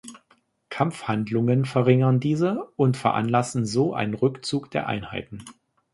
Kampfhandlungen verringern diese und veranlassen so einen Rückzug der Einheiten.